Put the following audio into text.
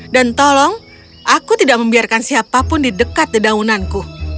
dan tolong aku tidak membiarkan siapapun di dekat dedaunanku